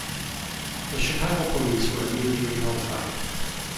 The Chicago police were immediately notified.